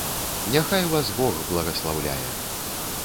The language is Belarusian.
Няхай вас бог благаслаўляе.